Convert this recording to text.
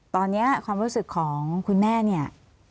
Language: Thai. ตอนนี้ความรู้สึกของคุณแม่เนี่ย